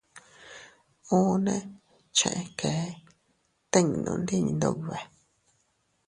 Unne cheʼe kee tinnu ndi Iyndube.